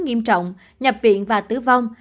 nghiêm trọng nhập viện và tử vong